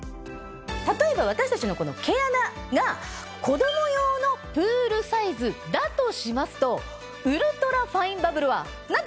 例えば私たちのこの毛穴が子供用のプールサイズだとしますとウルトラファインバブルはなんと！